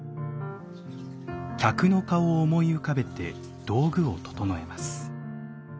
客の顔を思い浮かべて道具を整えます。